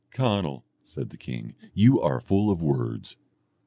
Conall," said the king, "you are full of words.